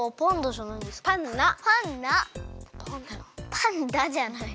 パンダじゃない。